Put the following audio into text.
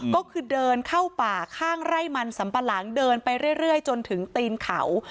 ก็คือเดินเข้าป่าข้างไร่มันสัมปะหลังเดินไปเรื่อยจนถึงตีนเขา